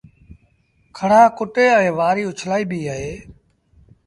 کڙآ ڪُٽي ائيٚݩ وآريٚ اُڇلآئيٚبيٚ اهي